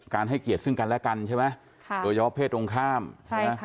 การให้เกียรติซึ่งกันและกันใช่ไหมโดยยอบเพศตรงข้ามคุณย้ายกับผู้หญิง